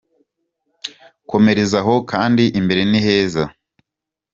Komereza aho kandi imbere ni heza.